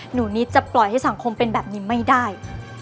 นิดจะปล่อยให้สังคมเป็นแบบนี้ไม่ได้